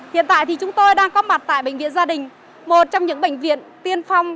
hiện tại thì chúng tôi đang có mặt tại bệnh viện gia đình một trong những bệnh viện tiên phong